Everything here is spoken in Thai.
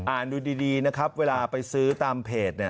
อ่านดูดีนะครับเวลาไปซื้อตามเพจ